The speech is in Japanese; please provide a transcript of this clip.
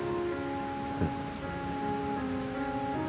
うん。